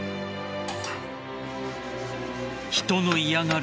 人の嫌がる